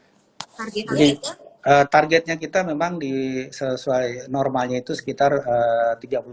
oke targetnya kita memang sesuai normalnya itu sekitar rp tiga puluh an